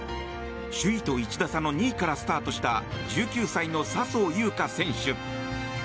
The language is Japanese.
首位と１打差の２位からスタートした１９歳の笹生優花選手。